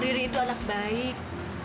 riri itu anak baik